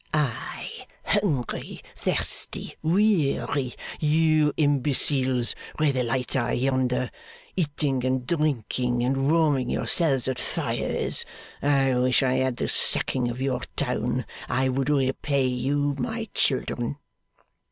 'I, hungry, thirsty, weary. You, imbeciles, where the lights are yonder, eating and drinking, and warming yourselves at fires! I wish I had the sacking of your town; I would repay you, my children!